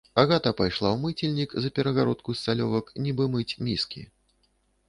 Агата пайшла ў мыцельнік, за перагародку з цалёвак, нібы мыць міскі.